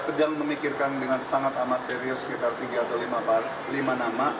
sedang memikirkan dengan sangat amat serius sekitar tiga atau lima nama